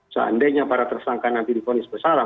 seandainya para tersangka nanti diponis bersalah